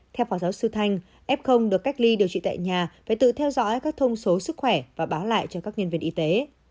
theo phó giáo sư thanh f được cách ly điều trị tại nhà phải tự theo dõi các thông số sức khỏe và báo lại cho các nhân viên y tế